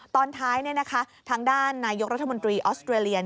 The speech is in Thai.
ตอนท้ายทางด้านนายกรัฐมนตรีออสเตรเลีย